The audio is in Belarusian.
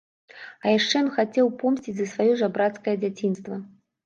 А яшчэ ён хацеў помсціць за сваё жабрацкае дзяцінства.